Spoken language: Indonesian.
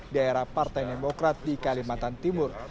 daerah partai demokrat di kalimantan timur